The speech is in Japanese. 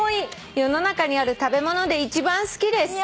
「世の中にある食べ物で一番好きです」